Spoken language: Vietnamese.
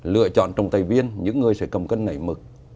lựa chọn trọng tài viên những người sẽ cầm cân nảy mực